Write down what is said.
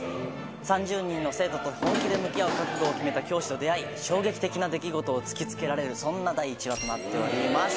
３０人の生徒と本気で向き合う覚悟を決めた教師と出会い衝撃的な出来事を突き付けられるそんな第１話となっております。